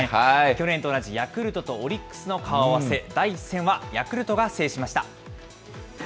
去年と同じヤクルトとオリックスの顔合わせ、第１戦はヤクルトが制しました。